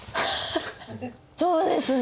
そうですね！